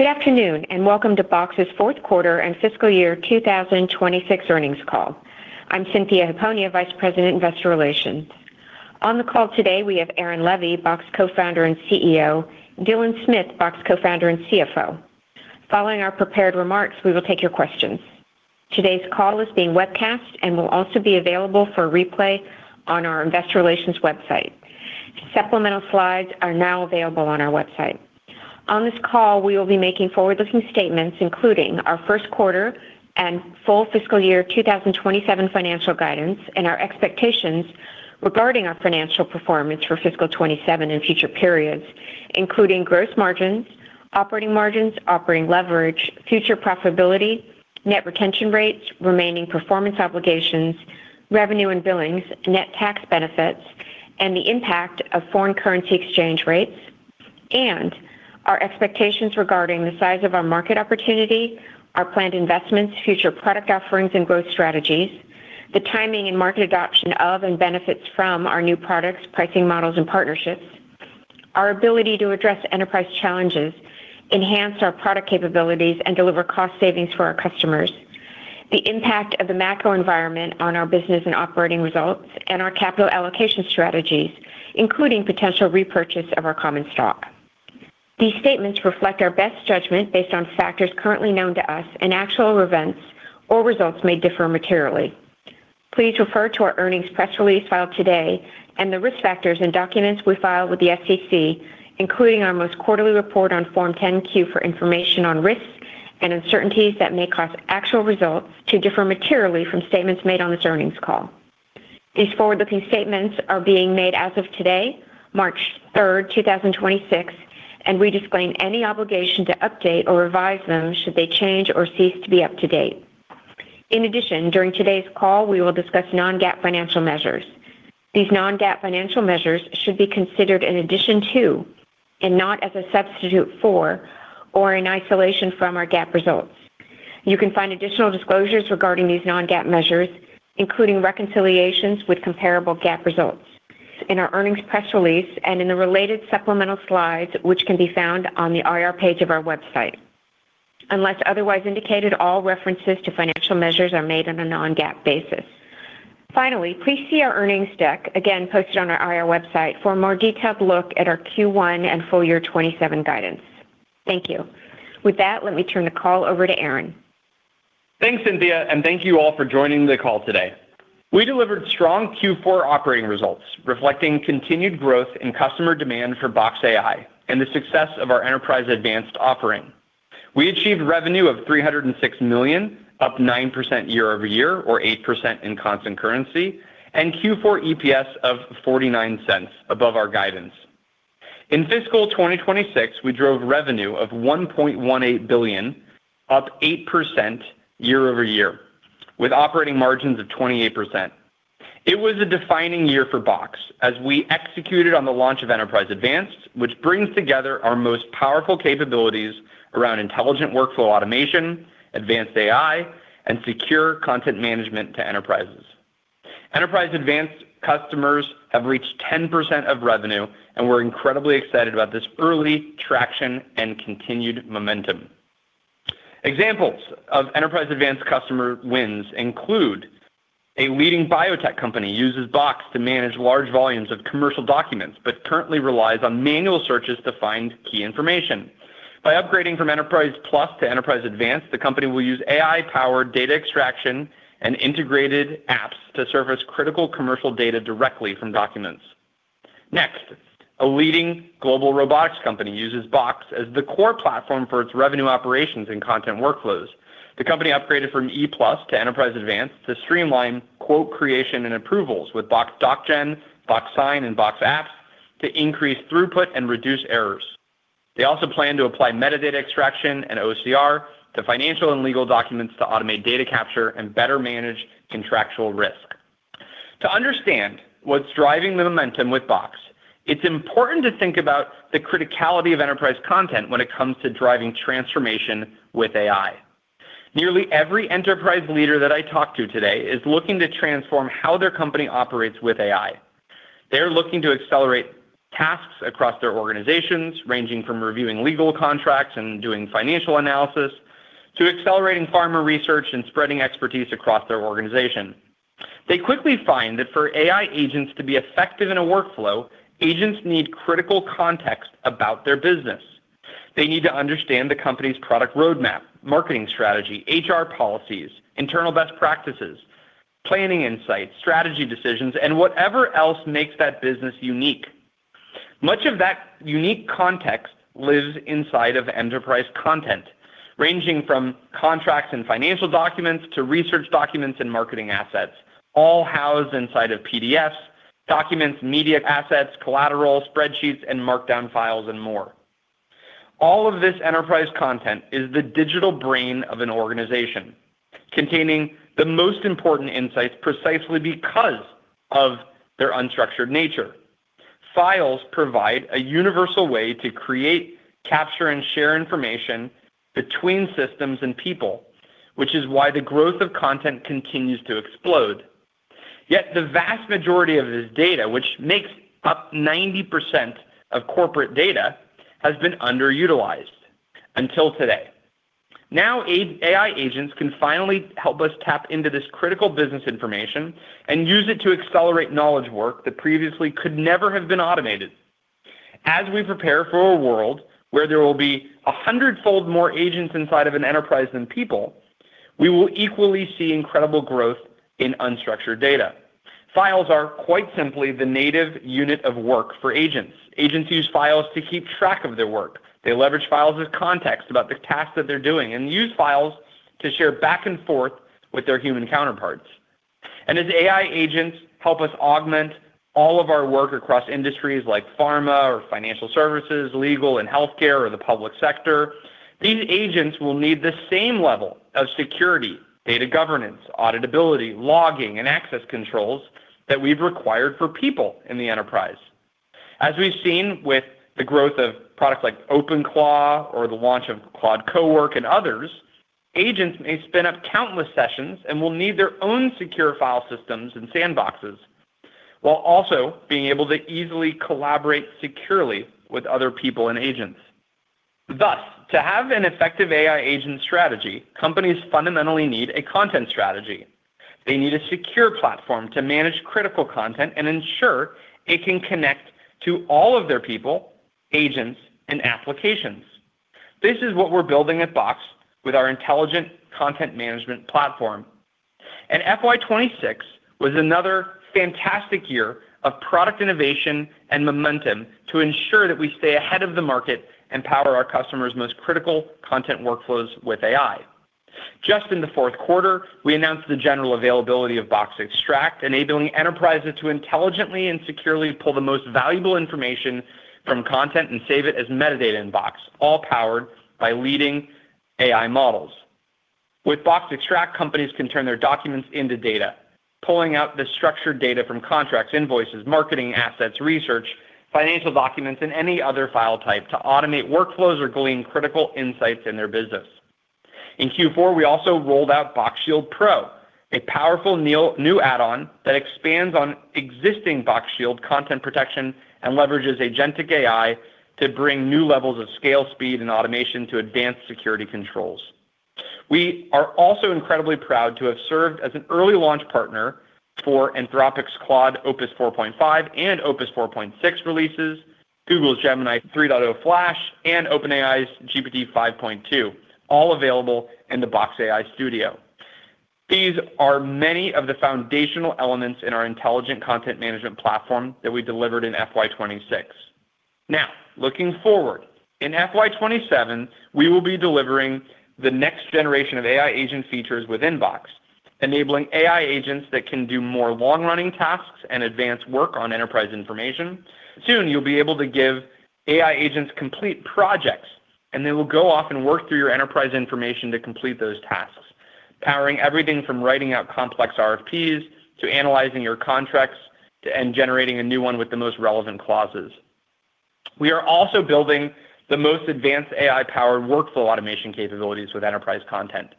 Good afternoon, welcome to Box's fourth quarter and fiscal year 2026 earnings call. I'm Cynthia Hiponia, Vice President, Investor Relations. On the call today, we have Aaron Levie, Box Co-founder and CEO, Dylan Smith, Box Co-founder and CFO. Following our prepared remarks, we will take your questions. Today's call is being webcast and will also be available for replay on our investor relations website. Supplemental slides are now available on our website. On this call, we will be making forward-looking statements, including our first quarter and full fiscal year 2027 financial guidance and our expectations regarding our financial performance for fiscal 2027 and future periods, including gross margins, operating margins, operating leverage, future profitability, net retention rates, remaining performance obligations, revenue and billings, net tax benefits, and the impact of foreign currency exchange rates, and our expectations regarding the size of our market opportunity, our planned investments, future product offerings, and growth strategies, the timing and market adoption of and benefits from our new products, pricing models and partnerships, our ability to address enterprise challenges, enhance our product capabilities, and deliver cost savings for our customers, the impact of the macro environment on our business and operating results, and our capital allocation strategies, including potential repurchase of our common stock. These statements reflect our best judgment based on factors currently known to us, and actual events or results may differ materially. Please refer to our earnings press release filed today and the risk factors and documents we filed with the SEC, including our most quarterly report on Form 10-Q for information on risks and uncertainties that may cause actual results to differ materially from statements made on this earnings call. These forward-looking statements are being made as of today, March 3rd, 2026, and we disclaim any obligation to update or revise them should they change or cease to be up to date. In addition, during today's call, we will discuss non-GAAP financial measures. These non-GAAP financial measures should be considered in addition to, and not as a substitute for or in isolation from our GAAP results. You can find additional disclosures regarding these non-GAAP measures, including reconciliations with comparable GAAP results in our earnings press release and in the related supplemental slides, which can be found on the IR page of our website. Unless otherwise indicated, all references to financial measures are made on a non-GAAP basis. Finally, please see our earnings deck, again posted on our IR website, for a more detailed look at our Q1 and full year 2027 guidance. Thank you. Let me turn the call over to Aaron. Thanks, Cynthia, and thank you all for joining the call today. We delivered strong Q4 operating results reflecting continued growth in customer demand for Box AI and the success of our Enterprise Advanced offering. We achieved revenue of $306 million, up 9% year-over-year or 8% in constant currency, and Q4 EPS of $0.49 above our guidance. In fiscal 2026, we drove revenue of $1.18 billion, up 8% year-over-year with operating margins of 28%. It was a defining year for Box as we executed on the launch of Enterprise Advanced, which brings together our most powerful capabilities around intelligent workflow automation, advanced AI, and secure content management to enterprises. Enterprise Advanced customers have reached 10% of revenue, and we're incredibly excited about this early traction and continued momentum. Examples of Enterprise Advanced customer wins include a leading biotech company uses Box to manage large volumes of commercial documents but currently relies on manual searches to find key information. By upgrading from Enterprise Plus to Enterprise Advanced, the company will use AI-powered data extraction and integrated Box Apps to surface critical commercial data directly from documents. Next, a leading global robotics company uses Box as the core platform for its revenue operations and content workflows. The company upgraded from E Plus to Enterprise Advanced to streamline quote creation and approvals with Box DocGen, Box Sign, and Box Apps to increase throughput and reduce errors. They also plan to apply metadata extraction and OCR to financial and legal documents to automate data capture and better manage contractual risk. To understand what's driving the momentum with Box, it's important to think about the criticality of enterprise content when it comes to driving transformation with AI. Nearly every enterprise leader that I talk to today is looking to transform how their company operates with AI. They're looking to accelerate tasks across their organizations, ranging from reviewing legal contracts and doing financial analysis to accelerating pharma research and spreading expertise across their organization. They quickly find that for AI agents to be effective in a workflow, agents need critical context about their business. They need to understand the company's product roadmap, marketing strategy, HR policies, internal best practices, planning insights, strategy decisions, and whatever else makes that business unique. Much of that unique context lives inside of enterprise content, ranging from contracts and financial documents to research documents and marketing assets, all housed inside of PDFs, documents, media assets, collateral spreadsheets, and markdown files, and more. All of this enterprise content is the digital brain of an organization containing the most important insights precisely because of their unstructured nature. Files provide a universal way to create, capture, and share information between systems and people, which is why the growth of content continues to explode. The vast majority of this data, which makes up 90% of corporate data, has been underutilized until today. Now AI agents can finally help us tap into this critical business information and use it to accelerate knowledge work that previously could never have been automated. As we prepare for a world where there will be a hundredfold more agents inside of an enterprise than people, we will equally see incredible growth in unstructured data. Files are quite simply the native unit of work for agents. Agents use files to keep track of their work. They leverage files as context about the tasks that they're doing and use files to share back and forth with their human counterparts. As AI agents help us augment all of our work across industries like pharma or financial services, legal and healthcare, or the public sector, these agents will need the same level of security, data governance, auditability, logging, and access controls that we've required for people in the enterprise. As we've seen with the growth of products like OpenClaw or the launch of Claude Cowork and others, agents may spin up countless sessions and will need their own secure file systems and sandboxes while also being able to easily collaborate securely with other people and agents. Thus, to have an effective AI agent strategy, companies fundamentally need a content strategy. They need a secure platform to manage critical content and ensure it can connect to all of their people, agents, and applications. This is what we're building at Box with our intelligent content management platform. FY 26 was another fantastic year of product innovation and momentum to ensure that we stay ahead of the market and power our customers' most critical content workflows with AI. Just in the fourth quarter, we announced the general availability of Box Extract, enabling enterprises to intelligently and securely pull the most valuable information from content and save it as metadata in Box, all powered by leading AI models. With Box Extract, companies can turn their documents into data, pulling out the structured data from contracts, invoices, marketing assets, research, financial documents, and any other file type to automate workflows or glean critical insights in their business. In Q4, we also rolled out Box Shield Pro, a powerful new add-on that expands on existing Box Shield content protection and leverages agentic AI to bring new levels of scale, speed, and automation to advanced security controls. We are also incredibly proud to have served as an early launch partner for Anthropic's Claude Opus 4.5 and Opus 4.6 releases, Google's Gemini 3.0 Flash, and OpenAI's GPT 5.2, all available in the Box AI Studio. These are many of the foundational elements in our intelligent content management platform that we delivered in FY26. Looking forward, in FY27, we will be delivering the next generation of AI agent features within Box, enabling AI agents that can do more long-running tasks and advance work on enterprise information. Soon, you'll be able to give AI agents complete projects, and they will go off and work through your enterprise information to complete those tasks, powering everything from writing out complex RFPs to analyzing your contracts to and generating a new one with the most relevant clauses. We are also building the most advanced AI-powered workflow automation capabilities with enterprise content.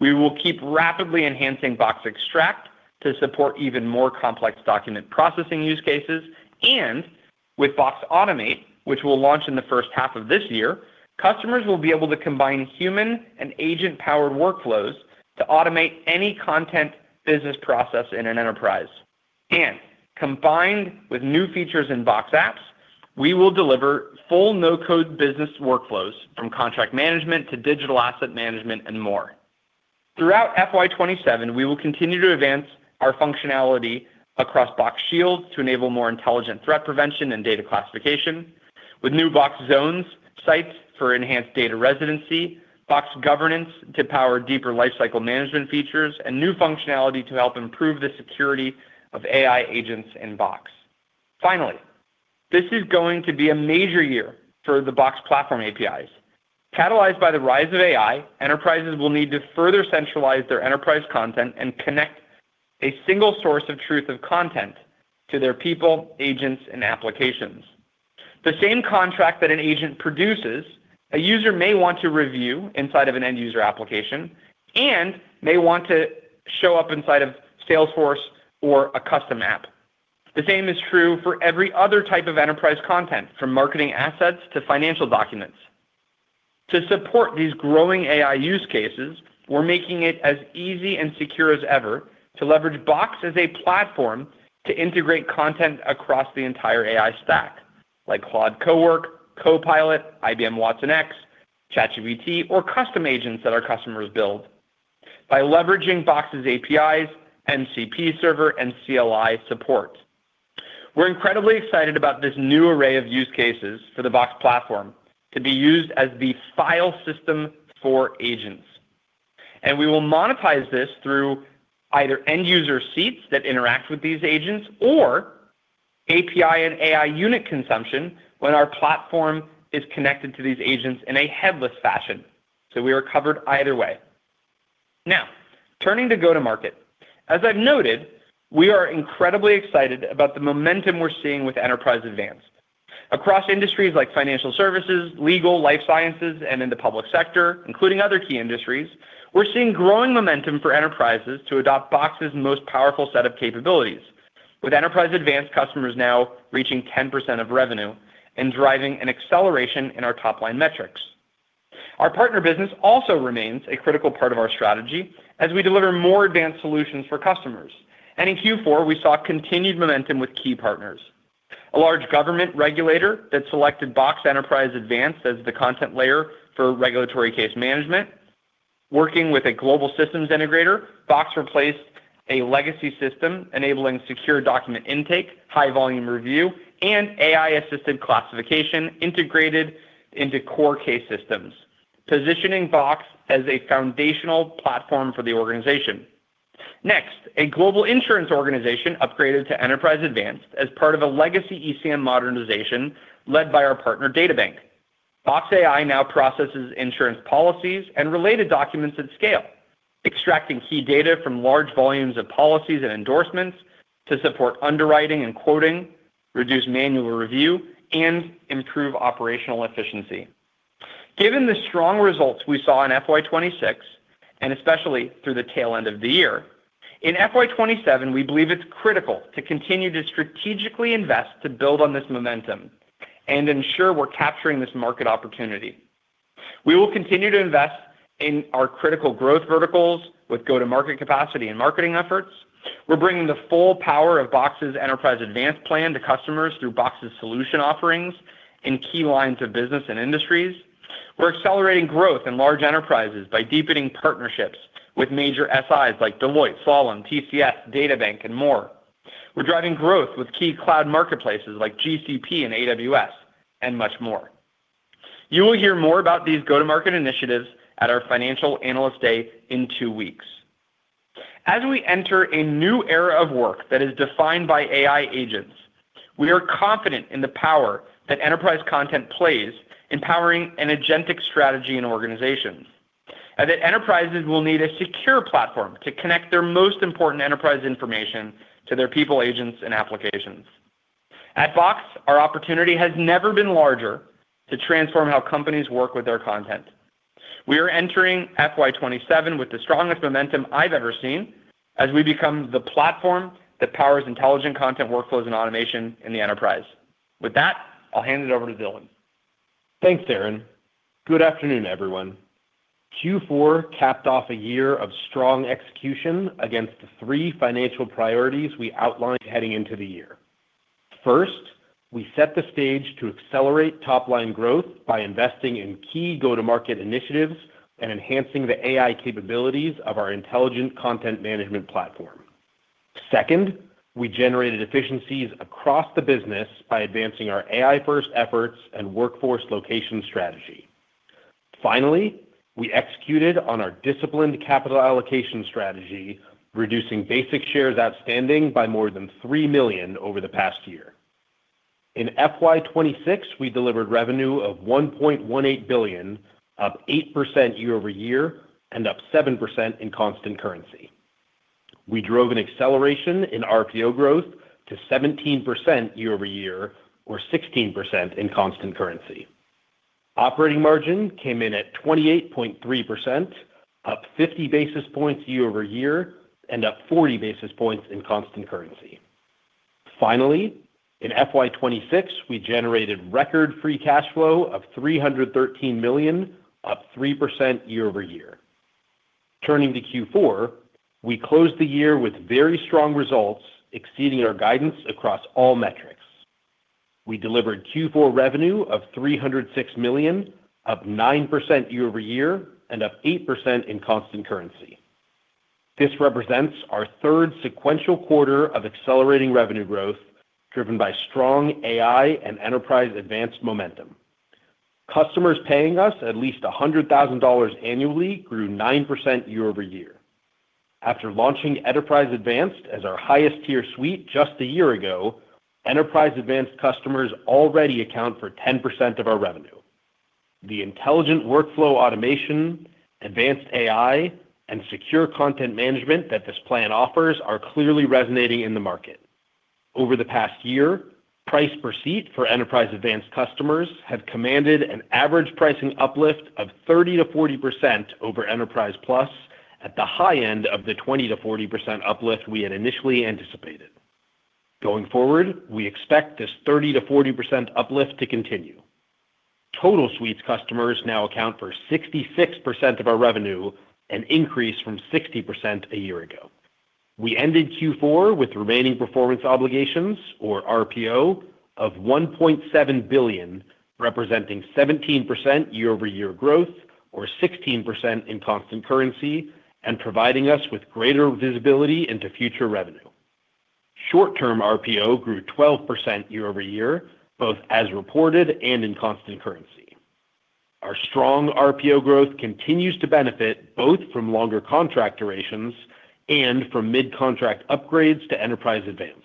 We will keep rapidly enhancing Box Extract to support even more complex document processing use cases. With Box Automate, which will launch in the first half of this year, customers will be able to combine human and agent-powered workflows to automate any content business process in an enterprise. Combined with new features in Box Apps, we will deliver full no-code business workflows from contract management to digital asset management and more. Throughout FY27, we will continue to advance our functionality across Box Shield to enable more intelligent threat prevention and data classification with new Box Zones sites for enhanced data residency, Box Governance to power deeper lifecycle management features, and new functionality to help improve the security of AI agents in Box. This is going to be a major year for the Box Platform APIs. Catalyzed by the rise of AI, enterprises will need to further centralize their enterprise content and connect a single source of truth of content to their people, agents, and applications. The same contract that an agent produces, a user may want to review inside of an end user application and may want to show up inside of Salesforce or a custom app. The same is true for every other type of enterprise content, from marketing assets to financial documents. To support these growing AI use cases, we're making it as easy and secure as ever to leverage Box as a platform to integrate content across the entire AI stack, like Claude Cowork, Copilot, IBM watsonx, ChatGPT, or custom agents that our customers build by leveraging Box's APIs, MCP server, and CLI support. We're incredibly excited about this new array of use cases for the Box platform to be used as the file system for agents. We will monetize this through either end user seats that interact with these agents or API and AI unit consumption when our platform is connected to these agents in a headless fashion. We are covered either way. Now, turning to go-to-market. As I've noted, we are incredibly excited about the momentum we're seeing with Enterprise Advanced. Across industries like financial services, legal, life sciences, and in the public sector, including other key industries, we're seeing growing momentum for enterprises to adopt Box's most powerful set of capabilities. With Enterprise Advanced customers now reaching 10% of revenue and driving an acceleration in our top-line metrics. Our partner business also remains a critical part of our strategy as we deliver more advanced solutions for customers. In Q4, we saw continued momentum with key partners. A large government regulator that selected Box Enterprise Advanced as the content layer for regulatory case management. Working with a global systems integrator, Box replaced a legacy system enabling secure document intake, high volume review, and AI-assisted classification integrated into core case systems, positioning Box as a foundational platform for the organization. Next, a global insurance organization upgraded to Enterprise Advanced as part of a legacy ECM modernization led by our partner, DataBank. Box AI now processes insurance policies and related documents at scale, extracting key data from large volumes of policies and endorsements to support underwriting and quoting, reduce manual review, and improve operational efficiency. Given the strong results we saw in FY26, and especially through the tail end of the year, in FY27, we believe it's critical to continue to strategically invest to build on this momentum and ensure we're capturing this market opportunity. We will continue to invest in our critical growth verticals with go-to-market capacity and marketing efforts. We're bringing the full power of Box's Enterprise Advanced plan to customers through Box's solution offerings in key lines of business and industries. We're accelerating growth in large enterprises by deepening partnerships with major SIs like Deloitte, Slalom, TCS, DataBank, and more. We're driving growth with key cloud marketplaces like GCP and AWS, and much more. You will hear more about these go-to-market initiatives at our Financial Analyst Day in two weeks. As we enter a new era of work that is defined by AI agents, we are confident in the power that enterprise content plays in powering an agentic strategy in organizations, and that enterprises will need a secure platform to connect their most important enterprise information to their people, agents, and applications. At Box, our opportunity has never been larger to transform how companies work with their content. We are entering FY27 with the strongest momentum I've ever seen as we become the platform that powers intelligent content workflows and automation in the enterprise. With that, I'll hand it over to Dylan. Thanks, Aaron. Good afternoon, everyone. Q4 capped off a year of strong execution against the three financial priorities we outlined heading into the year. First, we set the stage to accelerate top line growth by investing in key go-to-market initiatives and enhancing the AI capabilities of our intelligent content management platform. Second, we generated efficiencies across the business by advancing our AI-first efforts and workforce location strategy. Finally, we executed on our disciplined capital allocation strategy, reducing basic shares outstanding by more than $3 million over the past year. In FY26, we delivered revenue of $1.18 billion, up 8% year-over-year and up 7% in constant currency. We drove an acceleration in RPO growth to 17% year-over-year, or 16% in constant currency. Operating margin came in at 28.3%, up 50 basis points year-over-year, and up 40 basis points in constant currency. Finally, in FY26, we generated record free cash flow of $313 million, up 3% year-over-year. Turning to Q4, we closed the year with very strong results exceeding our guidance across all metrics. We delivered Q4 revenue of $306 million, up 9% year-over-year and up 8% in constant currency. This represents our third sequential quarter of accelerating revenue growth driven by strong AI and Enterprise Advanced momentum. Customers paying us at least $100,000 annually grew 9% year-over-year. After launching Enterprise Advanced as our highest tier suite just a year ago, Enterprise Advanced customers already account for 10% of our revenue. The intelligent workflow automation, advanced AI, and secure content management that this plan offers are clearly resonating in the market. Over the past year, price per seat for Enterprise Advanced customers have commanded an average pricing uplift of 30%-40% over Enterprise Plus at the high end of the 20%-40% uplift we had initially anticipated. Going forward, we expect this 30%-40% uplift to continue. Total Suites customers now account for 66% of our revenue, an increase from 60% a year ago. We ended Q4 with remaining performance obligations or RPO of $1.7 billion, representing 17% year-over-year growth or 16% in constant currency and providing us with greater visibility into future revenue. Short term RPO grew 12% year-over-year, both as reported and in constant currency. Our strong RPO growth continues to benefit both from longer contract durations and from mid-contract upgrades to Enterprise Advanced.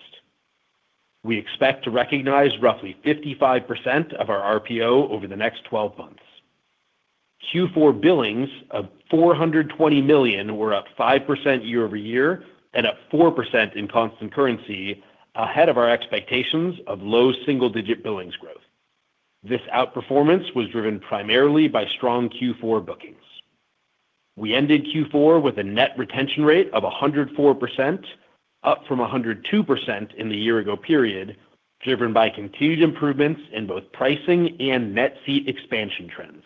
We expect to recognize roughly 55% of our RPO over the next 12 months. Q4 billings of $420 million were up 5% year-over-year and up 4% in constant currency, ahead of our expectations of low single-digit billings growth. This outperformance was driven primarily by strong Q4 bookings. We ended Q4 with a net retention rate of 104%, up from 102% in the year ago period, driven by continued improvements in both pricing and net fee expansion trends.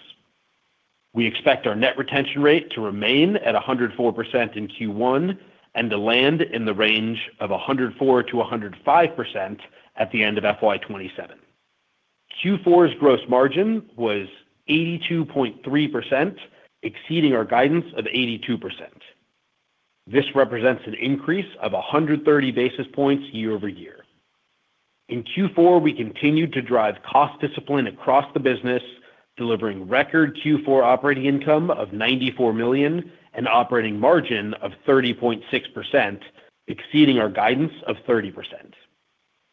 We expect our net retention rate to remain at 104% in Q1 and to land in the range of 104%-105% at the end of FY27. Q4's gross margin was 82.3%, exceeding our guidance of 82%. This represents an increase of 130 basis points year-over-year. In Q4, we continued to drive cost discipline across the business, delivering record Q4 operating income of $94 million and operating margin of 30.6%, exceeding our guidance of 30%.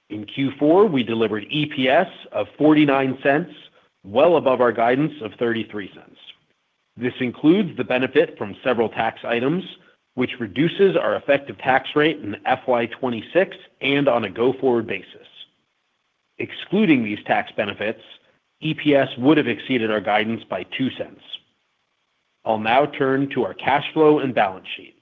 In Q4, we delivered EPS of $0.49, well above our guidance of $0.33. This includes the benefit from several tax items, which reduces our effective tax rate in FY26 and on a go-forward basis. Excluding these tax benefits, EPS would have exceeded our guidance by $0.02. I'll now turn to our cash flow and balance sheet.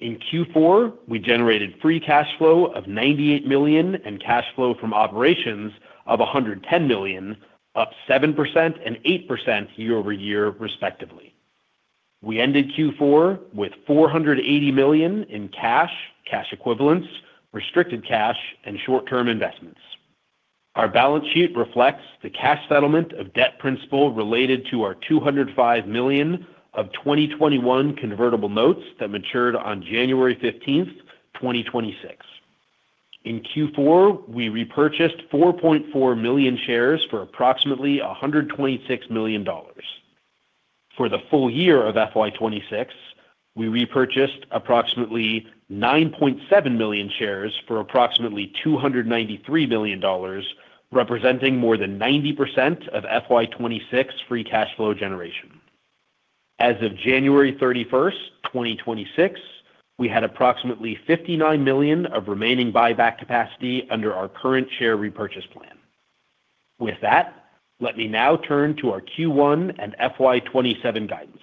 In Q4, we generated free cash flow of $98 million and cash flow from operations of $110 million, up 7% and 8% year-over-year, respectively. We ended Q4 with $480 million in cash equivalents, restricted cash, and short-term investments. Our balance sheet reflects the cash settlement of debt principal related to our $205 million of 2021 convertible notes that matured on January 15th, 2026. In Q4, we repurchased 4.4 million shares for approximately $126 million. For the full year of FY26, we repurchased approximately 9.7 million shares for approximately $293 million, representing more than 90% of FY26 free cash flow generation. As of January 31st, 2026, we had approximately $59 million of remaining buyback capacity under our current share repurchase plan. With that, let me now turn to our Q1 and FY27 guidance.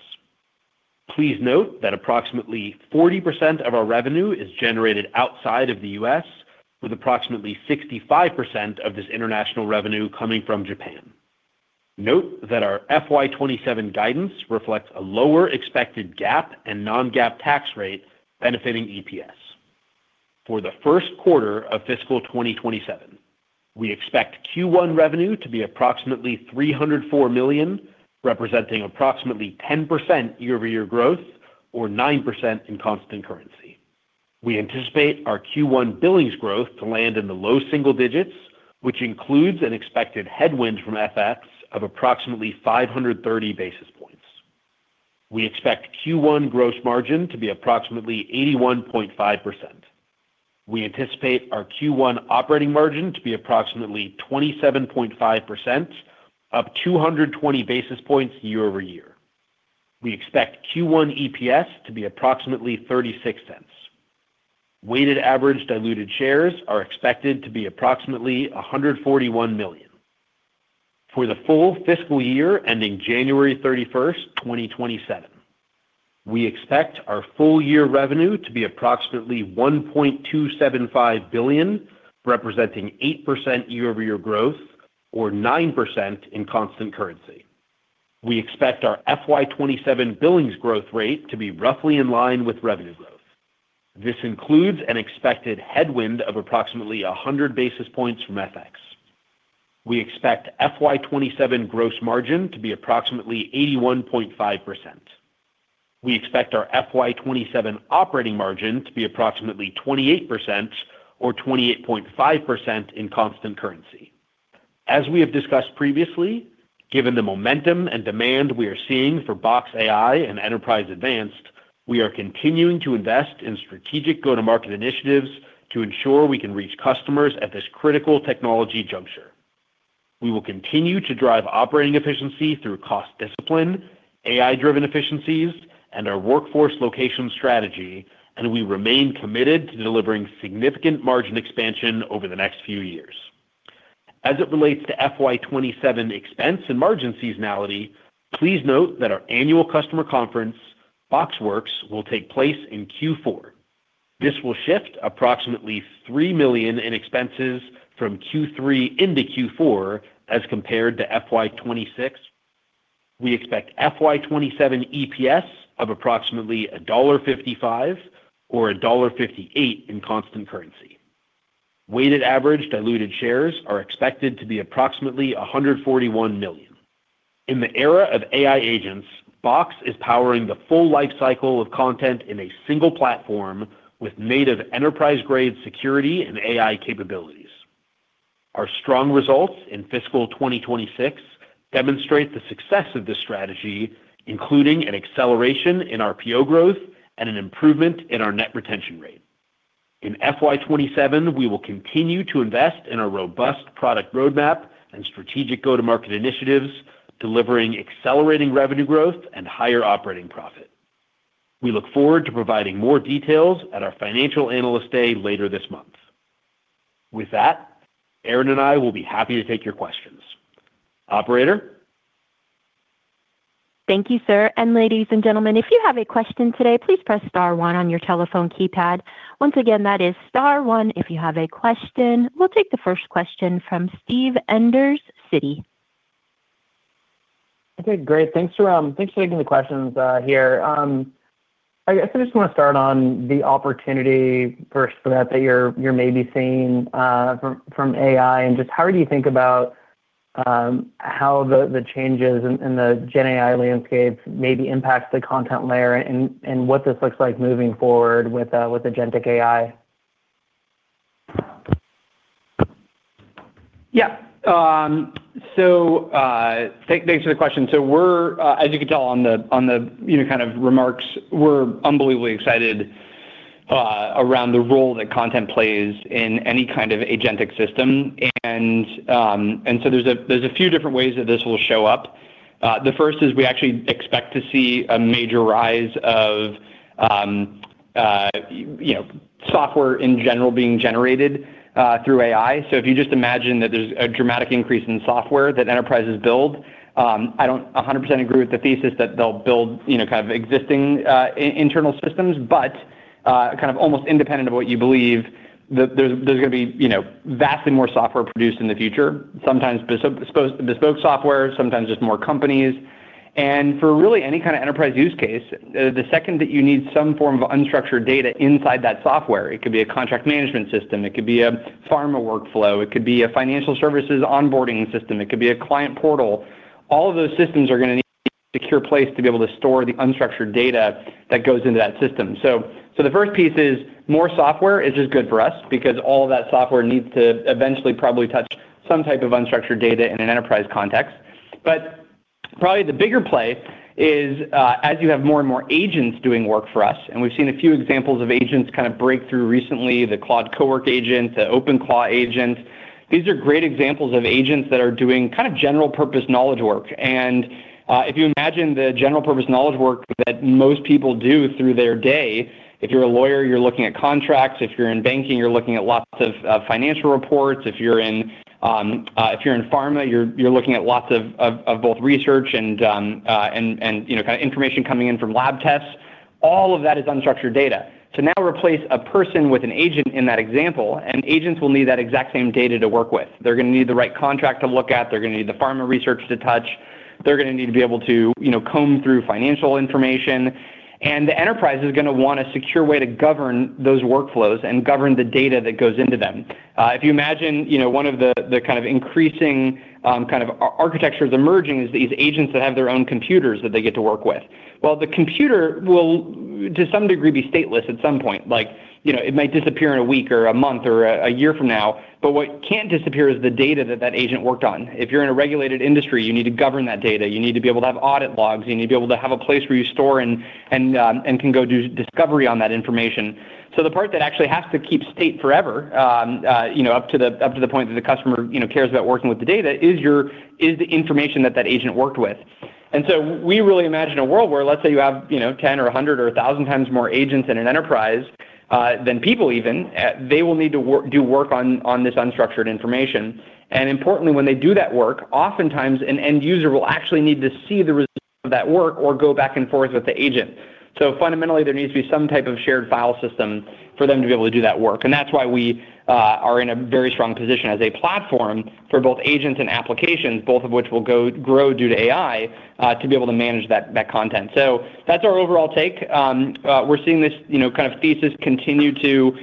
Please note that approximately 40% of our revenue is generated outside of the U.S., with approximately 65% of this international revenue coming from Japan. Note that our FY27 guidance reflects a lower expected GAAP and non-GAAP tax rate benefiting EPS. For the first quarter of fiscal 2027, we expect Q1 revenue to be approximately $304 million, representing approximately 10% year-over-year growth or 9% in constant currency. We anticipate our Q1 billings growth to land in the low single digits, which includes an expected headwind from FX of approximately 530 basis points. We expect Q1 gross margin to be approximately 81.5%. We anticipate our Q1 operating margin to be approximately 27.5%, up 220 basis points year-over-year. We expect Q1 EPS to be approximately $0.36. Weighted average diluted shares are expected to be approximately 141 million. For the full fiscal year ending January 31st, 2027, we expect our full year revenue to be approximately $1.275 billion, representing 8% year-over-year growth or 9% in constant currency. We expect our FY27 billings growth rate to be roughly in line with revenue growth. This includes an expected headwind of approximately 100 basis points from FX. We expect FY27 gross margin to be approximately 81.5%. We expect our FY27 operating margin to be approximately 28% or 28.5% in constant currency. As we have discussed previously, given the momentum and demand we are seeing for Box AI and Enterprise Advanced, we are continuing to invest in strategic go-to-market initiatives to ensure we can reach customers at this critical technology juncture. We will continue to drive operating efficiency through cost discipline, AI-driven efficiencies, and our workforce location strategy, and we remain committed to delivering significant margin expansion over the next few years. As it relates to FY27 expense and margin seasonality, please note that our annual customer conference, BoxWorks, will take place in Q4. This will shift approximately $3 million in expenses from Q3 into Q4 as compared to FY26. We expect FY27 EPS of approximately $1.55 or $1.58 in constant currency. Weighted average diluted shares are expected to be approximately 141 million. In the era of AI agents, Box is powering the full life cycle of content in a single platform with native enterprise-grade security and AI capabilities. Our strong results in fiscal 2026 demonstrate the success of this strategy, including an acceleration in our PO growth and an improvement in our net retention rate. In FY27, we will continue to invest in a robust product roadmap and strategic go-to-market initiatives, delivering accelerating revenue growth and higher operating profit. We look forward to providing more details at our Financial Analyst Day later this month. With that, Aaron and I will be happy to take your questions. Operator? Thank you, sir. Ladies and gentlemen, if you have a question today, please press star one on your telephone keypad. Once again, that is star one if you have a question. We'll take the first question from Steven Enders, Citi. Okay, great. Thanks for taking the questions here. I guess I just want to start on the opportunity first for that you're maybe seeing from AI, and just how do you think about how the changes in the Gen AI landscape maybe impacts the content layer and what this looks like moving forward with agentic AI? Thanks for the question. We're, as you can tell on the, on the, you know, kind of remarks, we're unbelievably excited around the role that content plays in any kind of agentic system. There's a few different ways that this will show up. The first is we actually expect to see a major rise of, you know, software in general being generated through AI. If you just imagine that there's a dramatic increase in software that enterprises build, I don't 100% agree with the thesis that they'll build, you know, kind of existing internal systems, but kind of almost independent of what you believe, there's gonna be, you know, vastly more software produced in the future, sometimes bespoke software, sometimes just more companies. For really any kind of enterprise use case, the second that you need some form of unstructured data inside that software, it could be a contract management system, it could be a pharma workflow, it could be a financial services onboarding system, it could be a client portal, all of those systems are gonna need a secure place to be able to store the unstructured data that goes into that system. The first piece is more software is just good for us because all of that software needs to eventually probably touch some type of unstructured data in an enterprise context. Probably the bigger play is, as you have more and more agents doing work for us, and we've seen a few examples of agents kind of break through recently, the Claude Cowork agent, the OpenClaw agent, these are great examples of agents that are doing kind of general purpose knowledge work. If you imagine the general purpose knowledge work that most people do through their day, if you're a lawyer, you're looking at contracts, if you're in banking, you're looking at lots of financial reports, if you're in, if you're in pharma, you're looking at lots of both research and, you know, kind of information coming in from lab tests, all of that is unstructured data. To now replace a person with an agent in that example, agents will need that exact same data to work with. They're gonna need the right contract to look at, they're gonna need the pharma research to touch, they're gonna need to be able to, you know, comb through financial information, the enterprise is gonna want a secure way to govern those workflows and govern the data that goes into them. If you imagine, you know, one of the kind of increasing architectures emerging is these agents that have their own computers that they get to work with. Well, the computer will to some degree be stateless at some point. Like, you know, it might disappear in a week or a month or a year from now, but what can't disappear is the data that that agent worked on. If you're in a regulated industry, you need to govern that data. You need to be able to have audit logs. You need to be able to have a place where you store and, and can go do discovery on that information. The part that actually has to keep state forever, you know, up to the, up to the point that the customer, you know, cares about working with the data is the information that that agent worked with. We really imagine a world where let's say you have, you know, 10 or 100 or 1,000 times more agents in an enterprise than people even, they will need to do work on this unstructured information. Importantly, when they do that work, oftentimes an end user will actually need to see the results of that work or go back and forth with the agent. Fundamentally, there needs to be some type of shared file system for them to be able to do that work. That's why we, are in a very strong position as a platform for both agents and applications, both of which will grow due to AI, to be able to manage that content. That's our overall take. We're seeing this, you know, kind of thesis continue to, you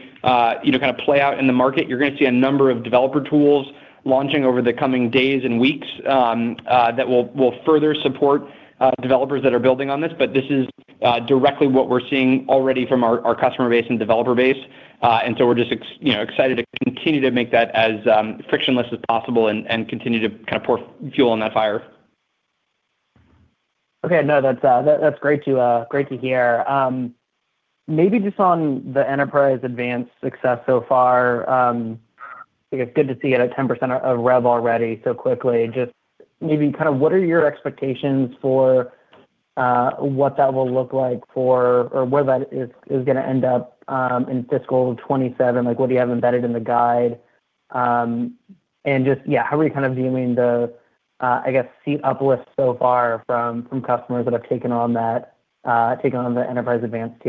know, kind of play out in the market. You're gonna see a number of developer tools launching over the coming days and weeks, that will further support, developers that are building on this. This is directly what we're seeing already from our customer base and developer base. So we're just you know, excited to continue to make that as frictionless as possible and continue to kind of pour fuel on that fire. Okay. No, that's great to, great to hear. Maybe just on the Enterprise Advanced success so far, I think it's good to see it at 10% of rev already so quickly. Just maybe kind of what are your expectations for, what that will look like for or where that is gonna end up in fiscal 2027? Like, what do you have embedded in the guide? And just, yeah, how are you kind of viewing the, I guess, seat uplifts so far from customers that have taken on the Enterprise Advanced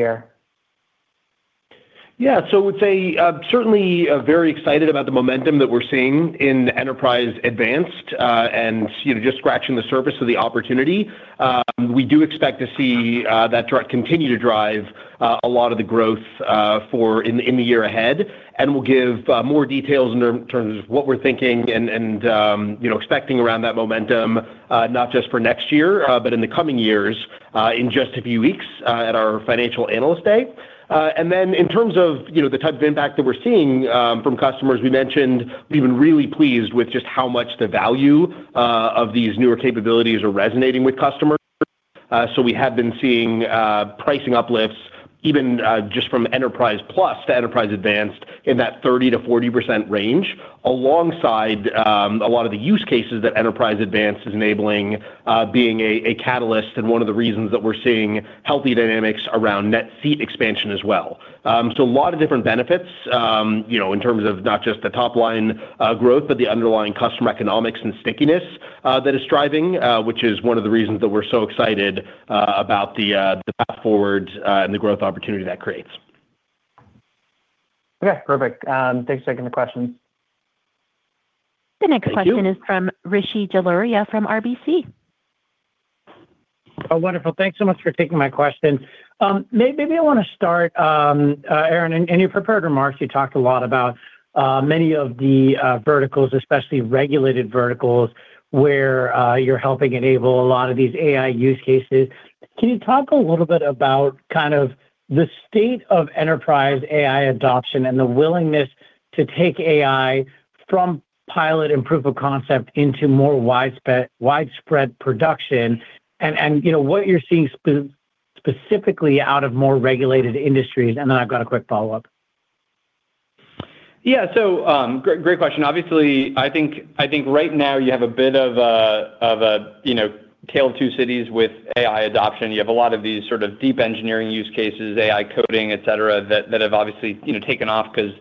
tier? I would say, certainly, very excited about the momentum that we're seeing in Enterprise Advanced, and, you know, just scratching the surface of the opportunity. We do expect to see that continue to drive a lot of the growth for in the year ahead. We'll give more details in terms of what we're thinking and, you know, expecting around that momentum, not just for next year, but in the coming years, in just a few weeks at our Financial Analyst Day. Then in terms of, you know, the type of impact that we're seeing from customers, we mentioned we've been really pleased with just how much the value of these newer capabilities are resonating with customers. We have been seeing pricing uplifts even just from Enterprise Plus to Enterprise Advanced in that 30%-40% range, alongside a lot of the use cases that Enterprise Advanced is enabling, being a catalyst and one of the reasons that we're seeing healthy dynamics around net seat expansion as well. A lot of different benefits, you know, in terms of not just the top line growth, but the underlying customer economics and stickiness that is driving, which is one of the reasons that we're so excited about the path forward and the growth opportunity that creates. Okay, perfect. thanks for taking the question. Thank you. The next question is from Rishi Jaluria from RBC. Oh, wonderful. Thanks so much for taking my question. maybe I wanna start, Aaron, in your prepared remarks, you talked a lot about many of the verticals, especially regulated verticals, where you're helping enable a lot of these AI use cases. Can you talk a little bit about kind of the state of enterprise AI adoption and the willingness to take AI from pilot and proof of concept into more widespread production and, you know, what you're seeing specifically out of more regulated industries? And then I've got a quick follow-up. Great question. Obviously, I think right now you have a bit of a, you know, tale of two cities with AI adoption. You have a lot of these sort of deep engineering use cases, AI coding, et cetera, that have obviously, you know, taken off 'cause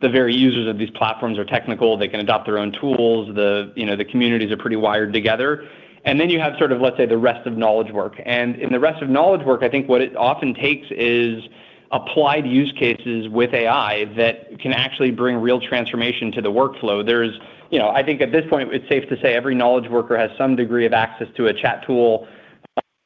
the very users of these platforms are technical. They can adopt their own tools. The, you know, the communities are pretty wired together. You have sort of, let's say, the rest of knowledge work. In the rest of knowledge work, I think what it often takes is applied use cases with AI that can actually bring real transformation to the workflow. You know, I think at this point it's safe to say every knowledge worker has some degree of access to a chat tool,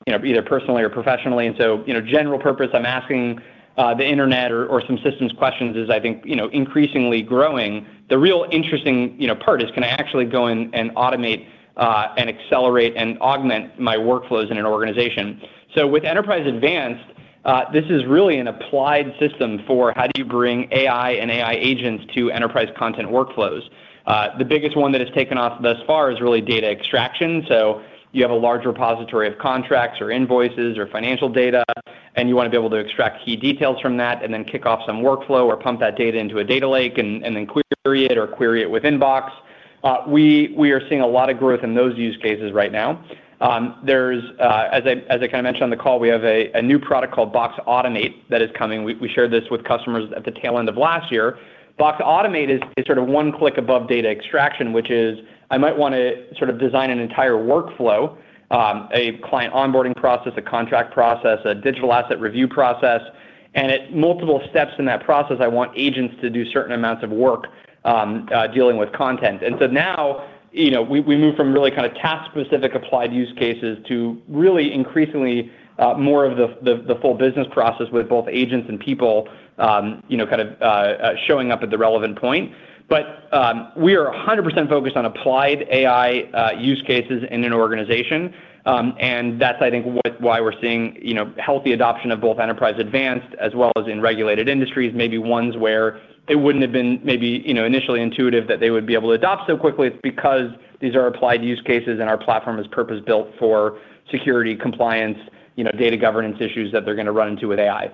you know, either personally or professionally. You know, general purpose, I'm asking the internet or some systems questions is, I think, you know, increasingly growing. The real interesting, you know, part is, can I actually go in and automate and accelerate and augment my workflows in an organization? With Enterprise Advanced, this is really an applied system for how do you bring AI and AI agents to enterprise content workflows. The biggest one that has taken off thus far is really data extraction. You have a large repository of contracts or invoices or financial data, and you wanna be able to extract key details from that and then kick off some workflow or pump that data into a data lake and then query it or query it with Box. We are seeing a lot of growth in those use cases right now. There's, as I kinda mentioned on the call, we have a new product called Box Automate that is coming. We shared this with customers at the tail end of last year. Box Automate is sort of one click above data extraction, which is I might wanna sort of design an entire workflow, a client onboarding process, a contract process, a digital asset review process, and at multiple steps in that process, I want agents to do certain amounts of work, dealing with content. Now, you know, we move from really kinda task-specific applied use cases to really increasingly more of the full business process with both agents and people, you know, kind of showing up at the relevant point. We are 100% focused on applied AI use cases in an organization. That's, I think, why we're seeing, you know, healthy adoption of both Enterprise Advanced as well as in regulated industries, maybe ones where it wouldn't have been maybe, you know, initially intuitive that they would be able to adopt so quickly. It's because these are applied use cases, and our platform is purpose-built for security compliance, you know, data governance issues that they're gonna run into with AI.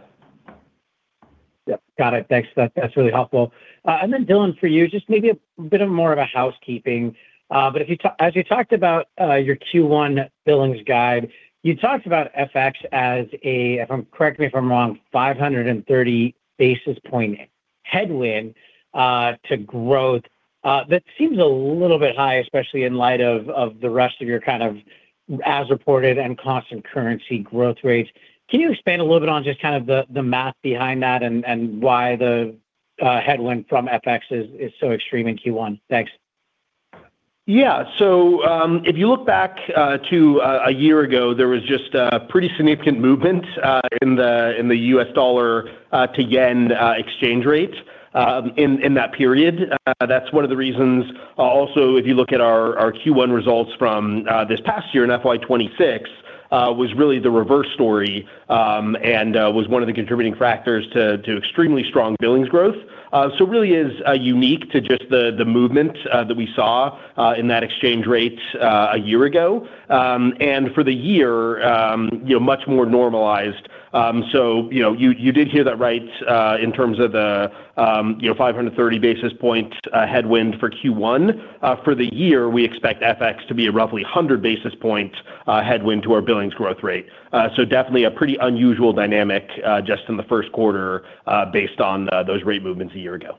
Yep. Got it. Thanks. That's really helpful. Then Dylan, for you, just maybe a bit of more of a housekeeping. If you As you talked about your Q1 billings guide, you talked about FX as a, correct me if I'm wrong, 530 basis point headwind to growth. That seems a little bit high, especially in light of the rest of your kind of as reported and constant currency growth rates. Can you expand a little bit on just kind of the math behind that and why the headwind from FX is so extreme in Q1? Thanks. If you look back to a year ago, there was just a pretty significant movement in the U.S. dollar to yen exchange rate in that period. That's one of the reasons. Also, if you look at our Q1 results from this past year in FY26, was really the reverse story, and was one of the contributing factors to extremely strong billings growth. Really is unique to just the movement that we saw in that exchange rate a year ago. For the year, you know, much more normalized. You know, you did hear that right, in terms of the, you know, 530 basis point headwind for Q1. For the year, we expect FX to be a roughly 100 basis point headwind to our billings growth rate. Definitely a pretty unusual dynamic just in the first quarter based on those rate movements a year ago.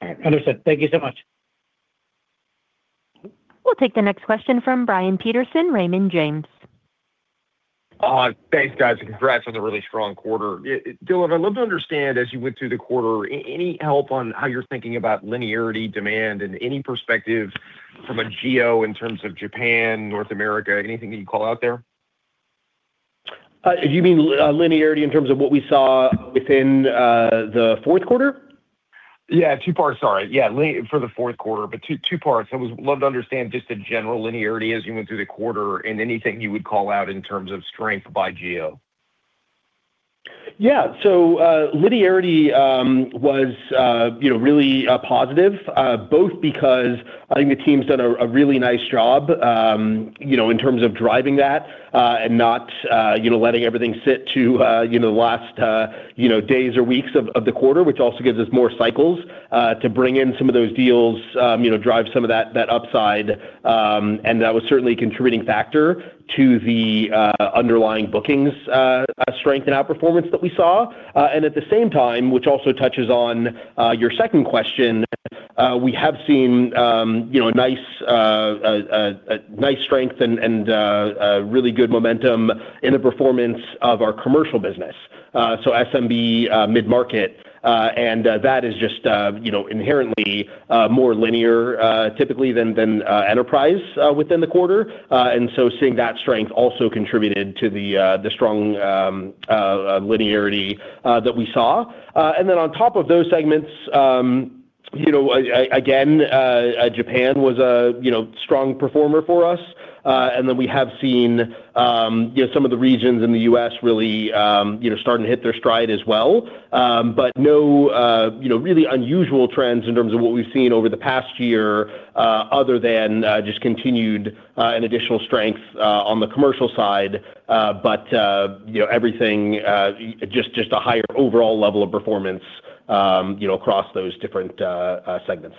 All right. Understood. Thank you so much. We'll take the next question from Brian Peterson, Raymond James. Thanks, guys. Congrats on the really strong quarter. Dylan, I'd love to understand as you went through the quarter, any help on how you're thinking about linearity, demand, and any perspective from a geo in terms of Japan, North America, anything that you call out there? Do you mean linearity in terms of what we saw within the fourth quarter? Yeah. Two parts. Sorry. Yeah. For the fourth quarter, two parts. I would love to understand just the general linearity as you went through the quarter and anything you would call out in terms of strength by geo. Linearity, was, you know, really, positive, both because I think the team's done a really nice job, you know, in terms of driving that, and not, you know, letting everything sit to, you know, the last, you know, days or weeks of the quarter, which also gives us more cycles, to bring in some of those deals, you know, drive some of that upside. That was certainly a contributing factor to the underlying bookings, strength and outperformance that we saw. At the same time, which also touches on, your second question, we have seen, you know, a nice strength and a really good momentum in the performance of our commercial business, so SMB, mid-market. Uh, and, uh, that is just, uh, you know, inherently, uh, more linear, uh, typically than, than, uh, enterprise, uh, within the quarter. Uh, and so seeing that strength also contributed to the, uh, the strong, um, uh, linearity, uh, that we saw. Uh, and then on top of those segments, um, you know, a-a-again, uh, uh, Japan was a, you know, strong performer for us. Uh, and then we have seen, um, you know, some of the regions in the US really, um, you know, starting to hit their stride as well. Um, but no, uh, you know, really unusual trends in terms of what we've seen over the past year, uh, other than, uh, just continued, uh, and additional strength, uh, on the commercial side. you know, everything, just a higher overall level of performance, you know, across those different segments.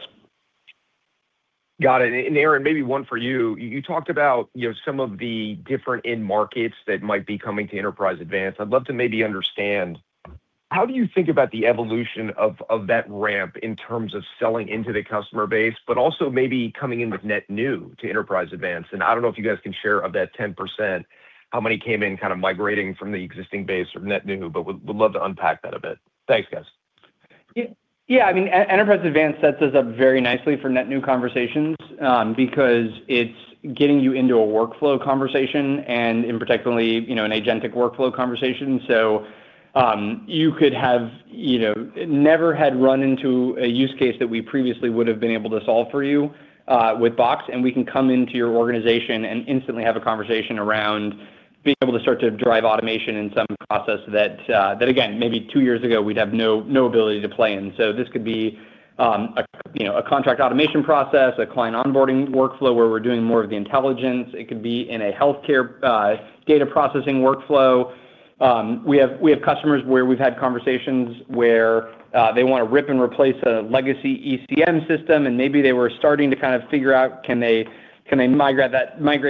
Got it. Aaron, maybe one for you. You talked about, you know, some of the different end markets that might be coming to Enterprise Advanced. I'd love to maybe understand, how do you think about the evolution of that ramp in terms of selling into the customer base, but also maybe coming in with net new to Enterprise Advanced? I don't know if you guys can share of that 10% how many came in kind of migrating from the existing base or net new, but would love to unpack that a bit. Thanks, guys. Yeah. I mean, Enterprise Advanced sets us up very nicely for net new conversations, because it's getting you into a workflow conversation, and in particular, you know, an agentic workflow conversation. You could have, you know, never had run into a use case that we previously would have been able to solve for you, with Box, and we can come into your organization and instantly have a conversation around being able to start to drive automation in some process that again, maybe 2 years ago, we'd have no ability to play in. This could be, a, you know, a contract automation process, a client onboarding workflow where we're doing more of the intelligence. It could be in a healthcare, data processing workflow. We have customers where we've had conversations where they want to rip and replace a legacy ECM system, and maybe they were starting to kind of figure out, can they migrate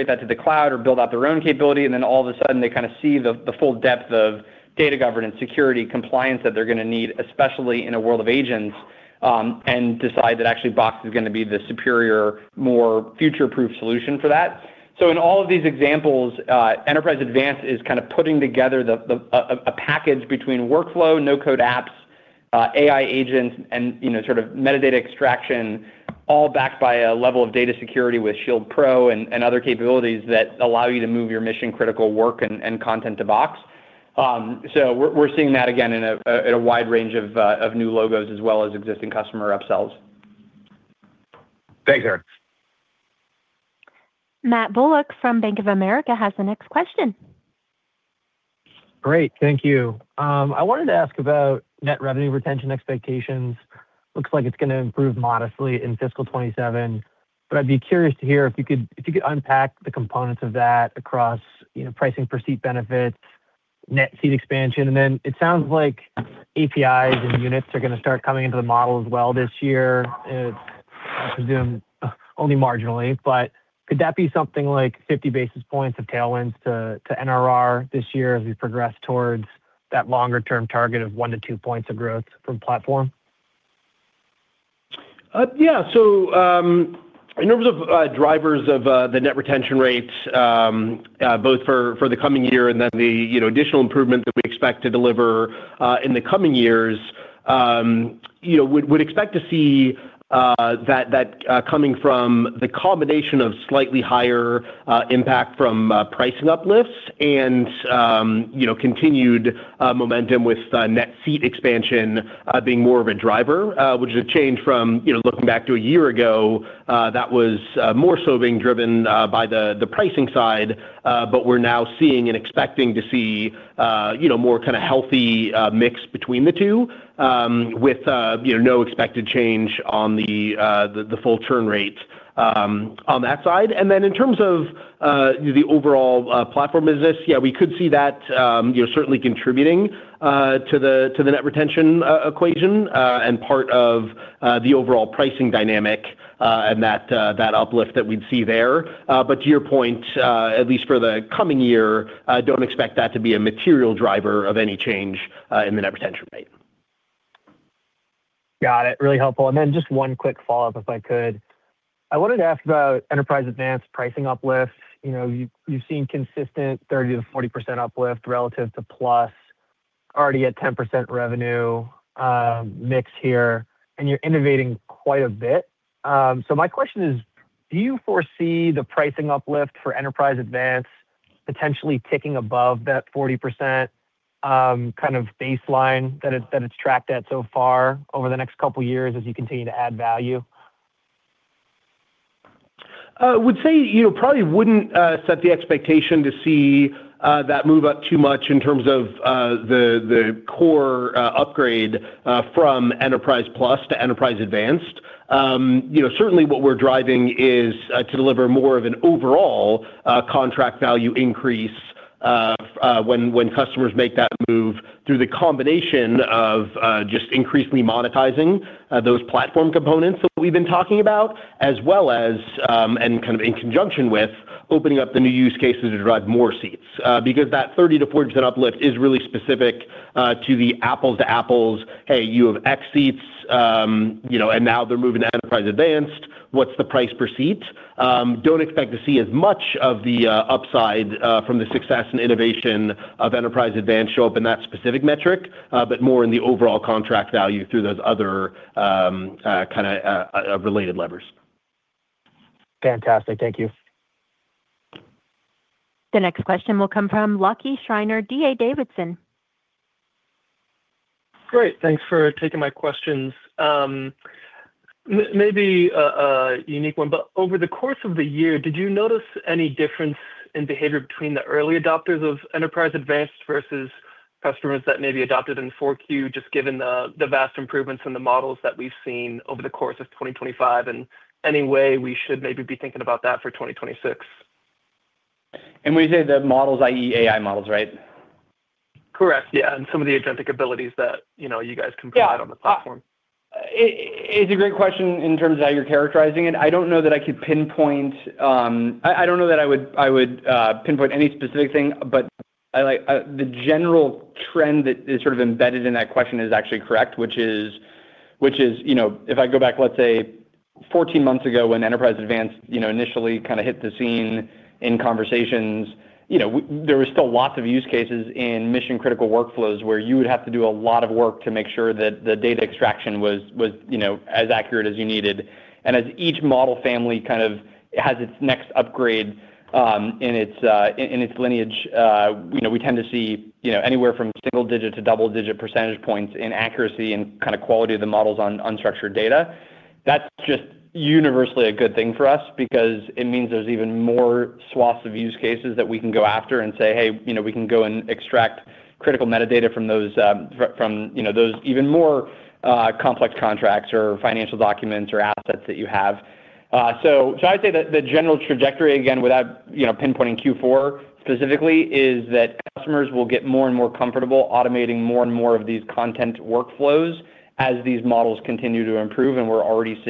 that to the cloud or build out their own capability? Then all of a sudden, they kinda see the full depth of data governance, security, compliance that they're gonna need, especially in a world of agents, and decide that actually Box is gonna be the superior, more future-proof solution for that. In all of these examples, Enterprise Advanced is kind of putting together the a package between workflow, no-code apps, AI agents, and, you know, sort of metadata extraction, all backed by a level of data security with Box Shield Pro and other capabilities that allow you to move your mission-critical work and content to Box. We're seeing that again in a wide range of new logos as well as existing customer upsells. Thanks, Aaron. Matt Bullock from Bank of America has the next question. Great. Thank you. I wanted to ask about net revenue retention expectations. Looks like it's gonna improve modestly in fiscal 2027, but I'd be curious to hear if you could unpack the components of that across, you know, pricing per seat benefits, net seat expansion. It sounds like APIs and units are gonna start coming into the model as well this year. It's, I presume, only marginally, but could that be something like 50 basis points of tailwinds to NRR this year as we progress towards that longer-term target of 1 to 2 points of growth from platform? Yeah. In terms of drivers of the net retention rates, both for the coming year and then the, you know, additional improvement that we expect to deliver in the coming years, you know, would expect to see that coming from the combination of slightly higher impact from pricing uplifts and, you know, continued momentum with net seat expansion being more of a driver, which is a change from, you know, looking back to a year ago, that was more so being driven by the pricing side. We're now seeing and expecting to see, you know, more kinda healthy mix between the two, with, you know, no expected change on the full churn rate on that side. In terms of the overall platform business, yeah, we could see that, you know, certainly contributing to the, to the net retention e-equation, and part of the overall pricing dynamic, and that uplift that we'd see there. To your point, at least for the coming year, don't expect that to be a material driver of any change in the net retention rate. Got it. Really helpful. Just one quick follow-up, if I could. I wanted to ask about Enterprise Advanced pricing uplifts. You know, you've seen consistent 30%-40% uplift relative to Enterprise Plus already at 10% revenue mix here, and you're innovating quite a bit. My question is: Do you foresee the pricing uplift for Enterprise Advanced potentially ticking above that 40% kind of baseline that it's tracked at so far over the next couple of years as you continue to add value? would say, you know, probably wouldn't set the expectation to see that move up too much in terms of the core upgrade from Enterprise Plus to Enterprise Advanced. you know, certainly what we're driving is to deliver more of an overall contract value increase when customers make that move through the combination of just increasingly monetizing those platform components that we've been talking about, as well as, and kind of in conjunction with opening up the new use cases to drive more seats. Because that 30%-40% uplift is really specific to the apples to apples, "Hey, you have X seats, you know, and now they're moving to Enterprise Advanced. What's the price per seat? Don't expect to see as much of the upside from the success and innovation of Enterprise Advanced show up in that specific metric, but more in the overall contract value through those other related levers. Fantastic. Thank you. The next question will come from Lucky Schreiner, D.A. Davidson. Great. Thanks for taking my questions. Maybe a unique one, but over the course of the year, did you notice any difference in behavior between the early adopters of Enterprise Advanced versus customers that maybe adopted in 4Q, just given the vast improvements in the models that we've seen over the course of 2025, and any way we should maybe be thinking about that for 2026? When you say the models, i.e., AI models, right? Correct. Yeah. Some of the agentic abilities that, you know, you guys can provide on the platform. Yeah. It's a great question in terms of how you're characterizing it. I don't know that I could pinpoint. I don't know that I would pinpoint any specific thing, but I like the general trend that is sort of embedded in that question is actually correct, which is, you know, if I go back, let's say 14 months ago when Enterprise Advanced, you know, initially kinda hit the scene in conversations, you know, there was still lots of use cases in mission-critical workflows where you would have to do a lot of work to make sure that the data extraction was, you know, as accurate as you needed. As each model family kind of has its next upgrade, in its lineage, you know, we tend to see, you know, anywhere from single digit to double digit percentage points in accuracy and kind of quality of the models on unstructured data. That's just universally a good thing for us because it means there's even more swaths of use cases that we can go after and say, "Hey, you know, we can go and extract critical metadata from those, from, you know, those even more complex contracts or financial documents or assets that you have." So I'd say that the general trajectory, again, without, you know, pinpointing Q4 specifically, is that customers will get more and more comfortable automating more and more of these content workflows as these models continue to improve, and we're already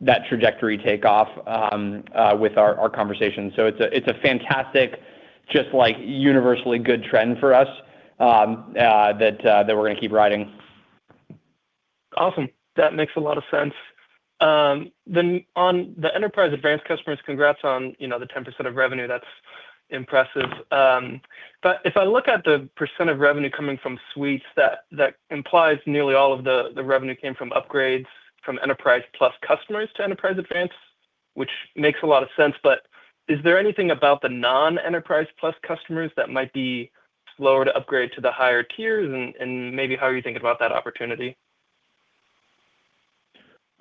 seeing that trajectory take off with our conversations. It's a fantastic, just like universally good trend for us that we're gonna keep riding. Awesome. That makes a lot of sense. On the Enterprise Advanced customers, congrats on, you know, the 10% of revenue. That's impressive. If I look at the percent of revenue coming from Suites, that implies nearly all of the revenue came from upgrades from Enterprise Plus customers to Enterprise Advanced, which makes a lot of sense. Is there anything about the non-Enterprise Plus customers that might be slower to upgrade to the higher tiers and maybe how are you thinking about that opportunity?